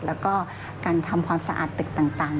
แล้วก็การทำความสะอาดตึกต่าง